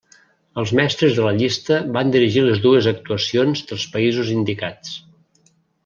Els mestres de la llista van dirigir les dues actuacions dels països indicats.